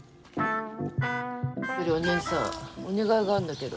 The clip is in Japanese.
お姉さんお願いがあるんだけど。